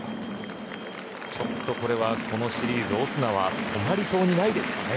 ちょっとこれはこのシリーズ、オスナは止まりそうにないですかね。